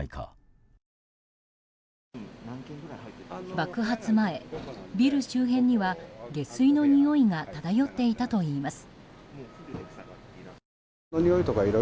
爆発前、ビル周辺には下水のにおいが漂っていたといいます。